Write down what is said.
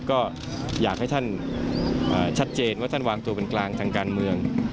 ก็อยากให้ท่านชัดเจนว่าท่านวางตัวเป็นกลางทางการเมือง